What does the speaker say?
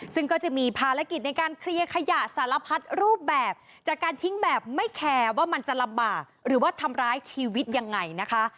ซึ่งก็จะมีภารกิจในการเคลียร์ขยะสารพัดรูปแบบจากการทิ้งแบบไม่แคร์ว่ามันจะลำบากหรือว่าทำร้ายชีวิตยังไงนะคะ